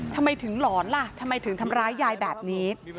ทำไมถึงหลอนล่ะทำไมถึงทำร้ายยายแบบนี้